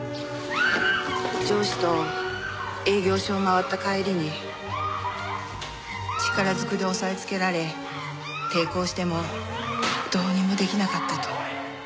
上司と営業所を回った帰りに力ずくで押さえつけられ抵抗してもどうにも出来なかったと。